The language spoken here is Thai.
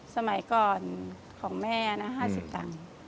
สมัยก่อนของแม่นะ๕๐ตังค์